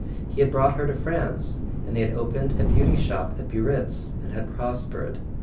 He had brought her to France, and they had opened a "Beauty Shop" at Biarritz and had prospered.